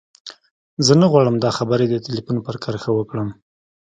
زه نه غواړم دا خبرې د ټليفون پر کرښه وکړم.